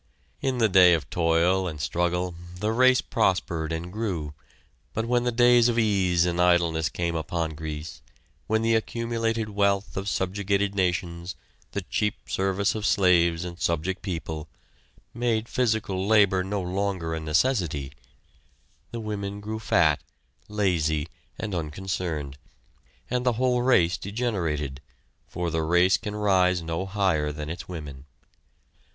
In the day of toil and struggle, the race prospered and grew, but when the days of ease and idleness came upon Greece, when the accumulated wealth of subjugated nations, the cheap service of slaves and subject people, made physical labor no longer a necessity; the women grew fat, lazy and unconcerned, and the whole race degenerated, for the race can rise no higher than its women.